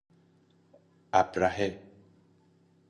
ابرهه